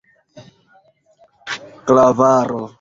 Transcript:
klavaro